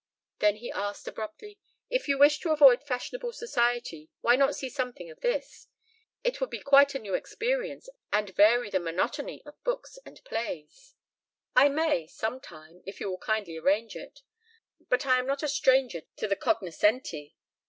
Then he asked abruptly: "If you wish to avoid fashionable society why not see something of this? It would be quite a new experience and vary the monotony of books and plays." "I may some time, if you will kindly arrange it. But I am not a stranger to the cognoscenti.